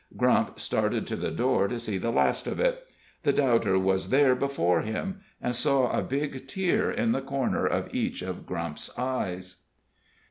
Grump started to the door to see the last of it. The doubter was there before him, and saw a big tear in the corner of each of Grump's eyes.